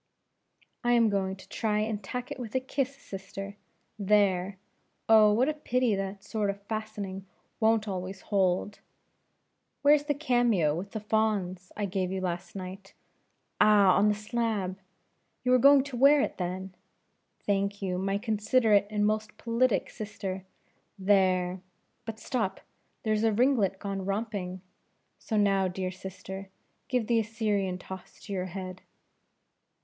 "I am going to try and tack it with a kiss, sister, there! oh, what a pity that sort of fastening won't always hold! where's the cameo with the fawns, I gave you last night? Ah! on the slab you were going to wear it then? Thank you, my considerate and most politic sister there! but stop here's a ringlet gone romping so now, dear sister, give that Assyrian toss to your head."